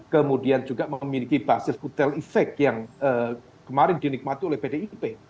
kemudian juga memiliki basis kutel efek yang kemarin dinikmati oleh pdip